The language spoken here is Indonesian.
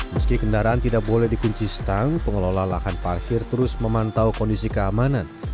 meski kendaraan tidak boleh dikunci stang pengelola lahan parkir terus memantau kondisi keamanan